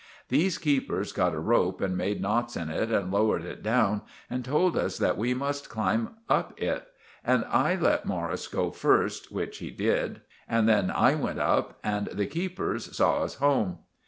These keepers got a rope and made knots in it and lowered it down, and told us that we must climb up it. And I let Morris go first, which he did; and then I went up, and the keepers saw us home.